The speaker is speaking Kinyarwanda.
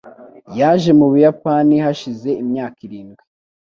Yaje mu Buyapani hashize imyaka irindwi.